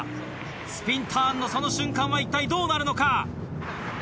スピンターンのその瞬間は一体どうなるのか？